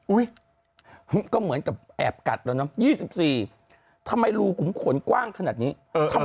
โอ้ยยมันก็เหมือนกับแอบกัดแล้วเนอะ๒๔ทำไมรูขุมขนกว้างขนาดนี้ทำไมไม่ทำ